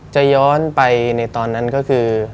จะย้อนไปในตอนนั้นก็คือ